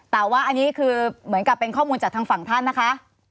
แต่ว่าอันนี้คือเหมือนกับเป็นข้อมูลจากทางฝั่งท่านนะคะ